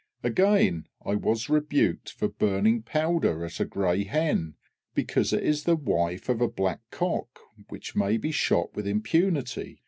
Again, I was rebuked for burning powder at a grey hen, because it is the wife of a black cock, which may be shot with impunity.